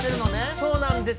そうなんです。